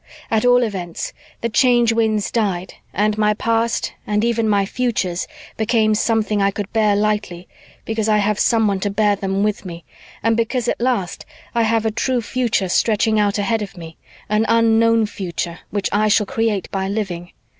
At all events, the Change Winds died and my past and even my futures became something I could bear lightly, because I have someone to bear them with me, and because at last I have a true future stretching out ahead of me, an unknown future which I shall create by living.